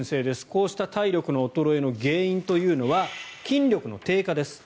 こうした体力の衰えの原因というのは筋力の低下です。